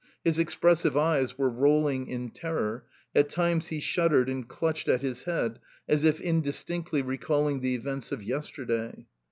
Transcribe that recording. His expressive eyes were rolling in terror; at times he shuddered and clutched at his head, as if indistinctly recalling the events of yesterday.